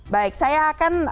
baik saya akan